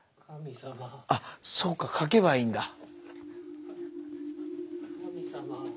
あっそうか書けばいいんだ。